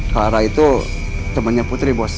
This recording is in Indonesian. kalara itu temannya putri bos